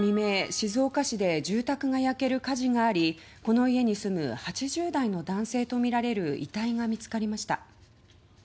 静岡市で住宅が焼ける火事がありこの家に住む８０代の男性とみられる遺体が見つかりました。